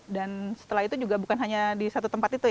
dan setelah itu juga bukan hanya di satu tempat